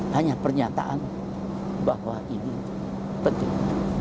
hanya pernyataan bahwa ini penting